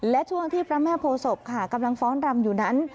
และช่วงที่พระแม่โพศพค่ะกำลังฟ้อนรำอยู่นั้น